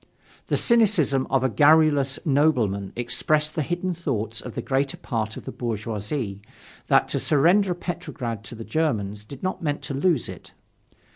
The cynicism of a garrulous nobleman expressed the hidden thoughts of the greater part of the bourgeoisie, that to surrender Petrograd to the Germans did not mean to lose it.